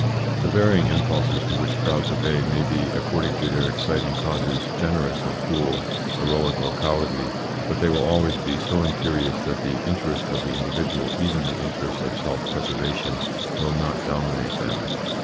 The varying impulses to which crowds obey may be, according to their exciting causes, generous or cruel, heroic or cowardly, but they will always be so imperious that the interest of the individual, even the interest of self preservation, will not dominate them.